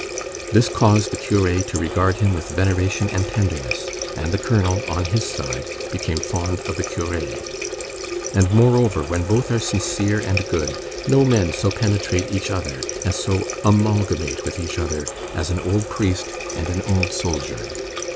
This caused the curé to regard him with veneration and tenderness, and the colonel, on his side, became fond of the curé. And moreover, when both are sincere and good, no men so penetrate each other, and so amalgamate with each other, as an old priest and an old soldier.